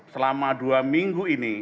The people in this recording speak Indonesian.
selama dua minggu ini